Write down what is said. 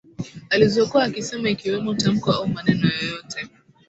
Alizokuwa akisema ikiwemo tamko au maneno yoyote